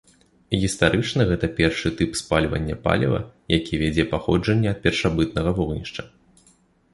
Гістарычна гэта першы тып спальвання паліва, які вядзе паходжанне ад першабытнага вогнішча.